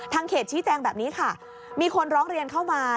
เขตชี้แจงแบบนี้ค่ะมีคนร้องเรียนเข้ามา